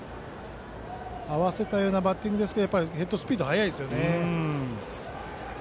合わせたようなバッティングですがヘッドスピードが速いですね。